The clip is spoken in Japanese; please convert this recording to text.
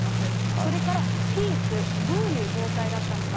それからピーク、どういう状態だったのか。